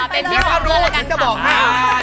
เป็นพี่หมอเพื่อนแล้วกันครับ